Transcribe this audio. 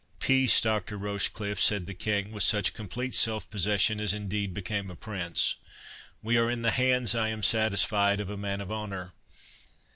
"Peace, Doctor Rochecliffe!" said the King, with such complete self possession as indeed became a prince; "we are in the hands, I am satisfied, of a man of honour.